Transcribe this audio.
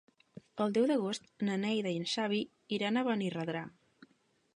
El deu d'agost na Neida i en Xavi iran a Benirredrà.